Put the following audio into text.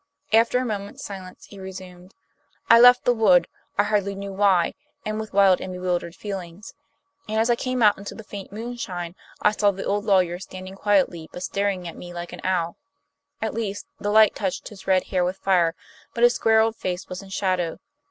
After a moment's silence, he resumed: "I left the wood, I hardly knew why, and with wild and bewildered feelings; and as I came out into the faint moonshine I saw that old lawyer standing quietly, but staring at me like an owl. At least, the light touched his red hair with fire, but his square old face was in shadow.